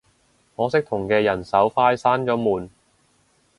可惜同嘅人手快閂咗門